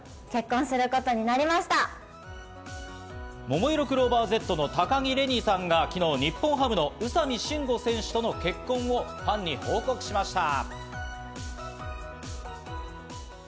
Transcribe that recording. ももいろクローバーＺの高城れにさんが昨日、日本ハムの宇佐見真吾選手との結婚をファンに報告しました。